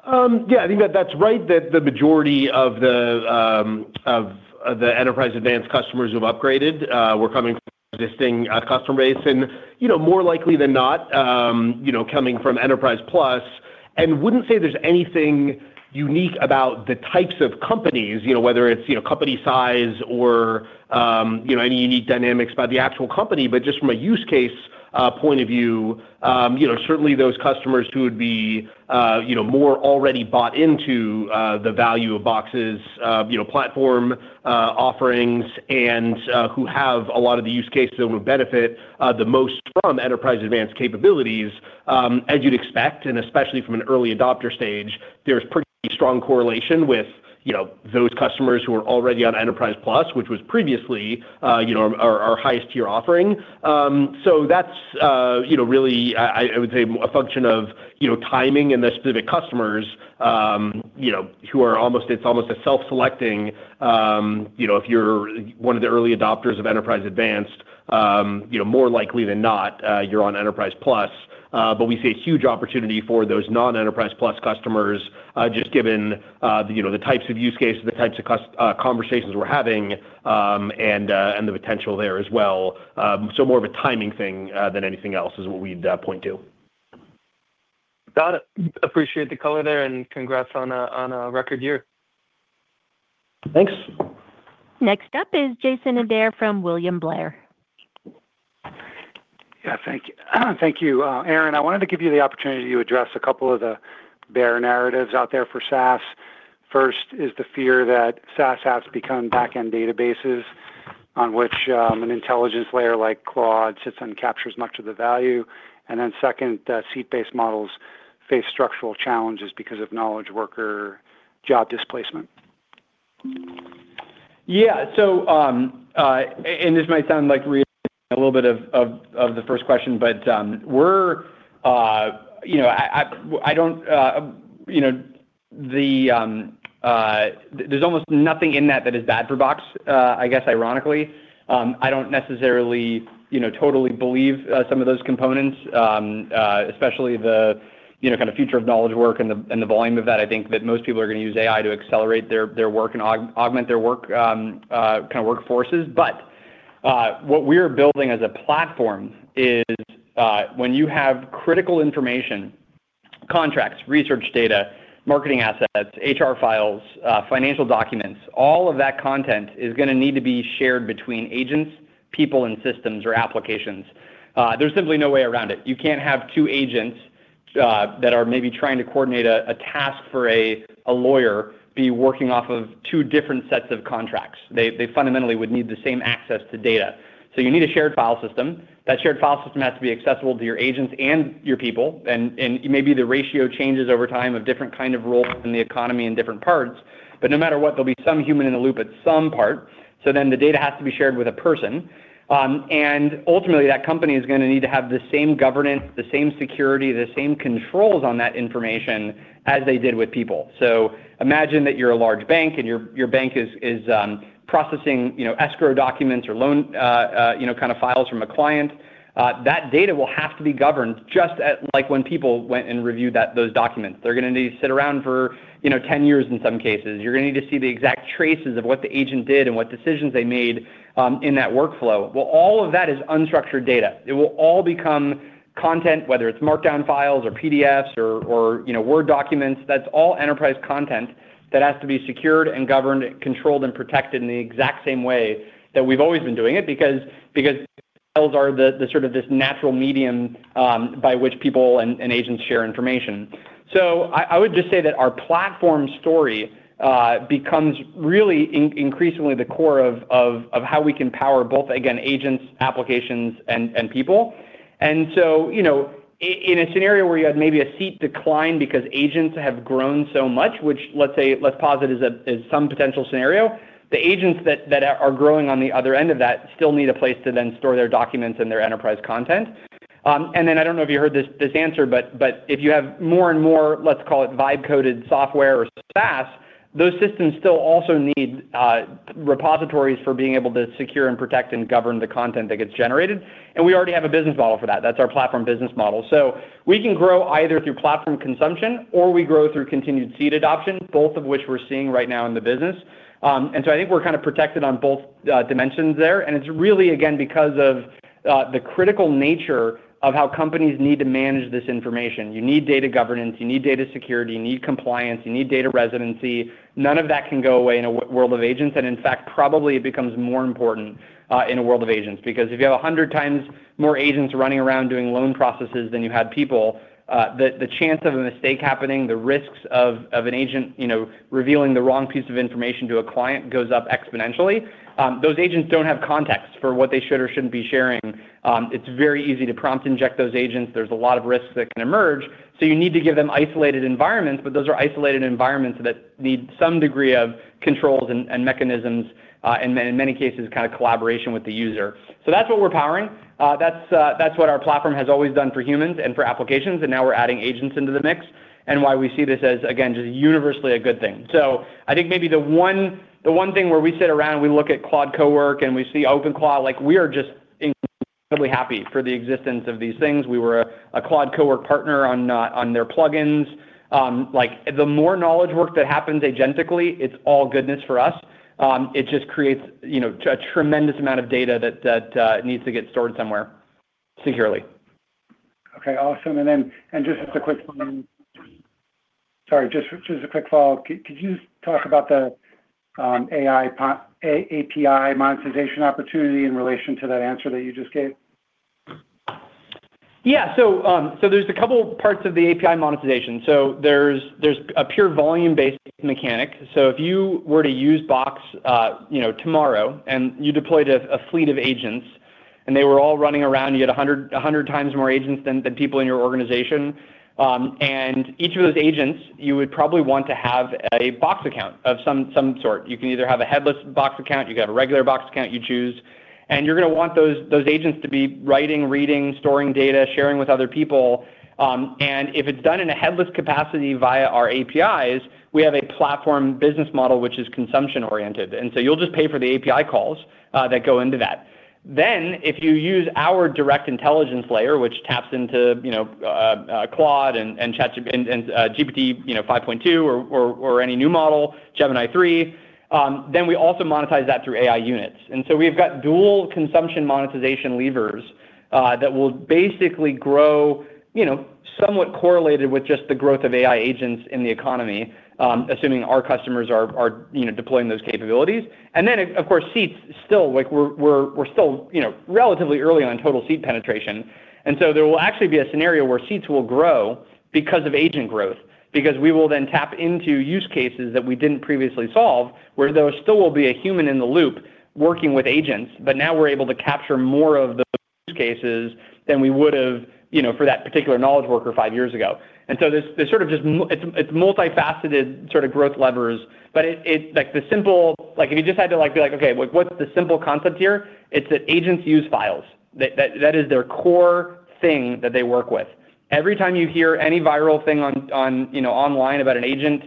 Yeah, I think that that's right, that the majority of the Enterprise Advanced customers who have upgraded were coming from existing customer base and, you know, more likely than not, you know, coming from Enterprise Plus. Wouldn't say there's anything unique about the types of companies, you know, whether it's, you know, company size or, you know, any unique dynamics about the actual company. Just from a use case point of view, you know, certainly those customers who would be, you know, more already bought into the value of Box's, you know, platform offerings and who have a lot of the use cases that would benefit the most from Enterprise Advanced capabilities, as you'd expect, and especially from an early adopter stage, there's pretty strong correlation with, you know, those customers who are already on Enterprise Plus, which was previously, you know, our highest tier offering. That's, you know, really I would say a function of, you know, timing and the specific customers, you know, it's almost a self-selecting, you know, if you're one of the early adopters of Enterprise Advanced, you know, more likely than not, you're on Enterprise Plus. We see a huge opportunity for those non-Enterprise Plus customers, just given, you know, the types of use cases, the types of conversations we're having, and the potential there as well. More of a timing thing than anything else is what we'd point to. Got it. Appreciate the color there, and congrats on a record year. Thanks. Next up is Jason Ader from William Blair. Yeah. Thank you. Thank you, Aaron. I wanted to give you the opportunity to address a couple of the bear narratives out there for SaaS. First is the fear that SaaS apps become back-end databases on which an intelligence layer like Claude sits and captures much of the value. Second, that seat-based models face structural challenges because of knowledge worker job displacement. Yeah. This might sound like reiterating a little bit of the first question. We're, you know, I don't, you know, the, there's almost nothing in that that is bad for Box, I guess, ironically. I don't necessarily, you know, totally believe, some of those components, especially the, you know, kind of future of knowledge work and the, and the volume of that. I think that most people are gonna use AI to accelerate their work and augment their work, kinda workforces. What we're building as a platform is, when you have critical information, contracts, research data, marketing assets, HR files, financial documents, all of that content is going to need to be shared between agents, people, and systems or applications. There's simply no way around it. You can't have two agents that are maybe trying to coordinate a task for a lawyer be working off of two different sets of contracts. They fundamentally would need the same access to data. You need a shared file system. That shared file system has to be accessible to your agents and your people and maybe the ratio changes over time of different kind of roles in the economy in different parts. No matter what, there'll be some human in the loop at some part, so then the data has to be shared with a person. And ultimately, that company is going to need to have the same governance, the same security, the same controls on that information as they did with people. Imagine that you're a large bank, and your bank is processing, you know, escrow documents or loan, you know, kind of files from a client. That data will have to be governed just as like when people went and reviewed those documents. They're gonna need to sit around for, you know, 10 years in some cases. You're gonna need to see the exact traces of what the agent did and what decisions they made in that workflow. All of that is unstructured data. It will all become content, whether it's markdown files or PDFs or, you know, Word documents. That's all enterprise content that has to be secured and governed, controlled, and protected in the exact same way that we've always been doing it because files are the sort of this natural medium by which people and agents share information. I would just say that our platform story becomes really increasingly the core of how we can power both, again, agents, applications, and people. You know, in a scenario where you have maybe a seat decline because agents have grown so much, which, let's posit as some potential scenario, the agents that are growing on the other end of that still need a place to then store their documents and their enterprise content. I don't know if you heard this answer, but if you have more and more, let's call it vibe-coded software or SaaS, those systems still also need repositories for being able to secure and protect and govern the content that gets generated. We already have a business model for that. That's our platform business model. We can grow either through platform consumption or we grow through continued seat adoption, both of which we're seeing right now in the business. I think we're kind of protected on both dimensions there. It's really, again, because of the critical nature of how companies need to manage this information. You need data governance. You need data security. You need compliance. You need data residency. None of that can go away in a world of agents, and in fact, probably it becomes more important in a world of agents. Because if you have 100x more agents running around doing loan processes than you had people, the chance of a mistake happening, the risks of an agent, you know, revealing the wrong piece of information to a client goes up exponentially. Those agents don't have context for what they should or shouldn't be sharing. It's very easy to prompt inject those agents. There's a lot of risks that can emerge. You need to give them isolated environments, but those are isolated environments that need some degree of controls and mechanisms, and in many cases, kind of collaboration with the user. That's what we're powering. That's what our platform has always done for humans and for applications, and now we're adding agents into the mix and why we see this as, again, just universally a good thing. I think maybe the one thing where we sit around, we look at Claude Cowork, and we see OpenClaw, like we are just incredibly happy for the existence of these things. We were a Claude Cowork partner on their plugins. Like the more knowledge work that happens agentically, it's all goodness for us. It just creates, you know, a tremendous amount of data that needs to get stored somewhere securely. Okay, awesome. Sorry, just as a quick follow-up. Could you talk about the AI API monetization opportunity in relation to that answer that you just gave? There's a couple parts of the API monetization. There's a pure volume-based mechanic. If you were to use Box, you know, tomorrow, and you deployed a fleet of agents, and they were all running around, you had 100 times more agents than people in your organization, and each of those agents, you would probably want to have a Box account of some sort. You can either have a headless Box account, you can have a regular Box account, you choose. You're gonna want those agents to be writing, reading, storing data, sharing with other people. If it's done in a headless capacity via our APIs, we have a platform business model which is consumption-oriented. You'll just pay for the API calls that go into that. If you use our direct intelligence layer, which taps into, you know, Claude and GPT 5.2 or any new model, Gemini 3, then we also monetize that through AI units. We've got dual consumption monetization levers that will basically grow, you know, somewhat correlated with just the growth of AI agents in the economy, assuming our customers are, you know, deploying those capabilities. Of course, seats still like we're still, you know, relatively early on total seat penetration. There will actually be a scenario where seats will grow because of agent growth, because we will then tap into use cases that we didn't previously solve, where there still will be a human in the loop working with agents, but now we're able to capture more of those use cases than we would have, you know, for that particular knowledge worker five years ago. There's sort of just it's multifaceted sort of growth levers, but it like if you just had to like be like, okay, what's the simple concept here? It's that agents use files. That is their core thing that they work with. Every time you hear any viral thing on, you know, online about an agent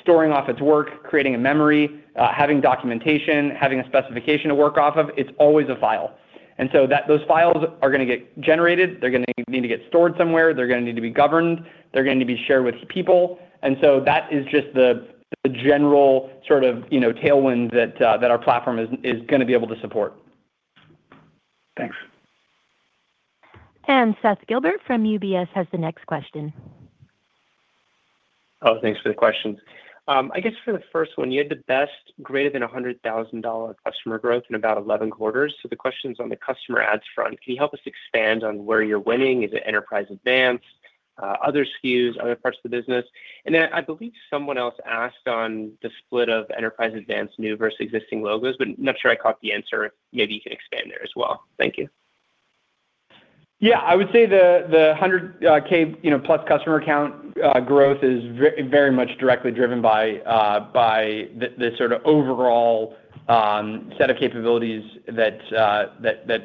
storing off its work, creating a memory, having documentation, having a specification to work off of, it's always a file. Those files are gonna get generated, they're gonna need to get stored somewhere, they're gonna need to be governed, they're gonna be shared with people. That is just the general sort of, you know, tailwind that our platform is gonna be able to support. Thanks. Seth Gilbert from UBS has the next question. Thanks for the questions. I guess for the first one, you had the best greater than $100,000 customer growth in about 11 quarters. The question's on the customer adds front. Can you help us expand on where you're winning? Is it Enterprise Advanced, other SKUs, other parts of the business? I believe someone else asked on the split of Enterprise Advanced new versus existing logos, but I'm not sure I caught the answer. Maybe you can expand there as well. Thank you. Yeah, I would say the $100,000, you know, Plus customer count growth is very much directly driven by the sort of overall set of capabilities that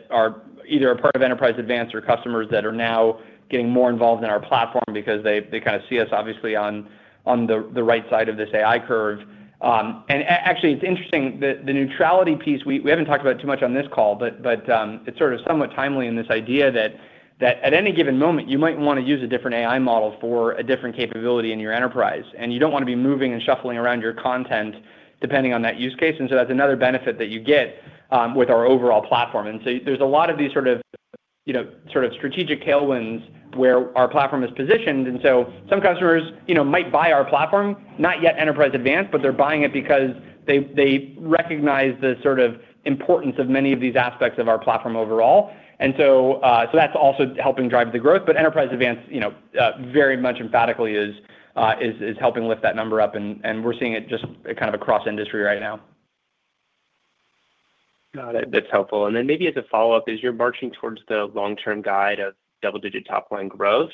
are either a part of Enterprise Advanced or customers that are now getting more involved in our platform because they kinda see us obviously on the right side of this AI curve. Actually it's interesting the neutrality piece, we haven't talked about it too much on this call, but it's sort of somewhat timely in this idea that at any given moment you might wanna use a different AI model for a different capability in your enterprise, and you don't wanna be moving and shuffling around your content depending on that use case. That's another benefit that you get with our overall platform. There's a lot of these sort of, you know, strategic tailwinds where our platform is positioned. Some customers, you know, might buy our platform, not yet Enterprise Advanced, but they're buying it because they recognize the sort of importance of many of these aspects of our platform overall. So that's also helping drive the growth, but Enterprise Advanced, you know, very much emphatically is helping lift that number up and we're seeing it just kind of across industry right now. Got it. That's helpful. Maybe as a follow-up, as you're marching towards the long-term guide of double-digit top line growth,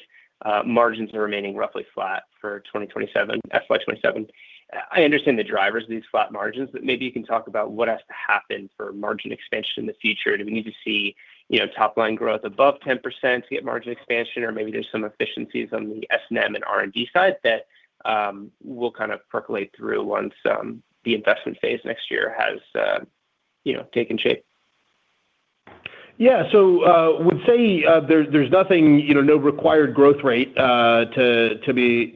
margins are remaining roughly flat for FY27. I understand the drivers of these flat margins, but maybe you can talk about what has to happen for margin expansion in the future. Do we need to see, you know, top line growth above 10% to get margin expansion or maybe there's some efficiencies on the S&M and R&D side that will kind of percolate through once the investment phase next year has, you know, taken shape? Yeah. would say there's nothing, you know, no required growth rate to be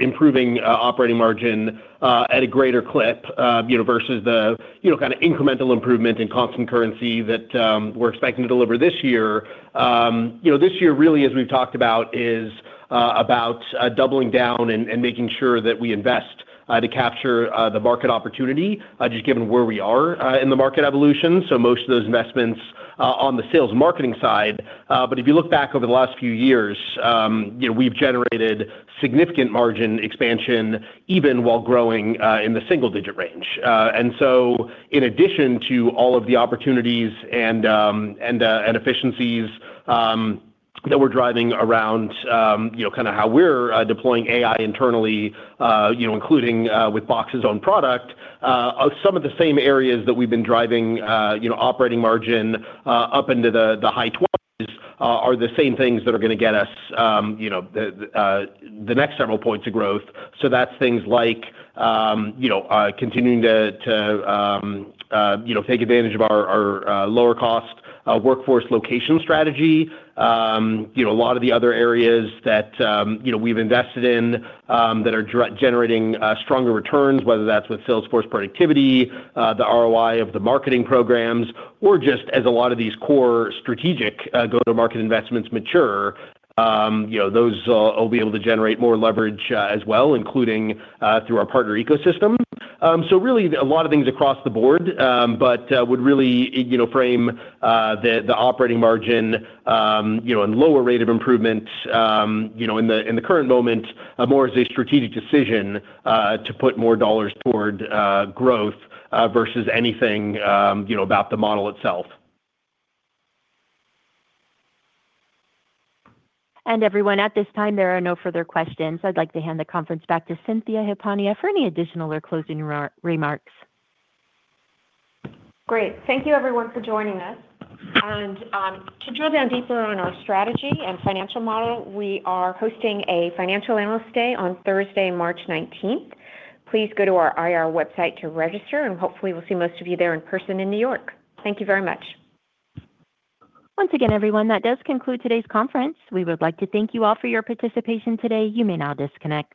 improving operating margin at a greater clip, you know, versus the, you know, kind of incremental improvement in constant currency that we're expecting to deliver this year. You know, this year really, as we've talked about, is about doubling down and making sure that we invest to capture the market opportunity just given where we are in the market evolution. Most of those investments are on the sales marketing side. If you look back over the last few years, you know, we've generated significant margin expansion even while growing in the single digit range. In addition to all of the opportunities and and efficiencies that we're driving around, you know, kinda how we're deploying AI internally, you know, including with Box's own product, some of the same areas that we've been driving, you know, operating margin up into the high 20s% are the same things that are gonna get us, you know, the next several points of growth. That's things like, you know, continuing to take advantage of our lower cost workforce location strategy. you know, a lot of the other areas that, you know, we've invested in, that are generating stronger returns, whether that's with Salesforce productivity, the ROI of the marketing programs, or just as a lot of these core strategic go-to-market investments mature, you know, those will be able to generate more leverage as well, including through our partner ecosystem. Really a lot of things across the board, but would really, you know, frame the operating margin, you know, and lower rate of improvement, you know, in the current moment more as a strategic decision to put more dollars toward growth versus anything, you know, about the model itself. Everyone, at this time, there are no further questions. I'd like to hand the conference back to Cynthia Hiponia for any additional or closing re-remarks. Great. Thank you everyone for joining us. To drill down deeper on our strategy and financial model, we are hosting a Financial Analyst Day on Thursday, March 19th. Please go to our IR website to register, and hopefully we'll see most of you there in person in New York. Thank you very much. Once again, everyone, that does conclude today's conference. We would like to thank you all for your participation today. You may now disconnect.